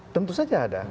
tentu saja ada